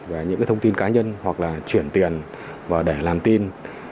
về những thông tin cá nhân hoặc là chuyển tiền và để làm tin